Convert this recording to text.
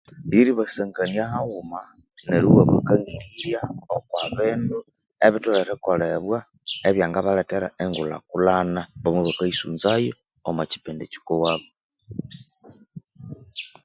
Lyeri basangania haghuma neryo iwa bakangirirya okwabindu ebitholere eri kolebwa ebyanga balethera engulha-kulhana ngoku bakayisunza'yo omukipindi kyikuwabo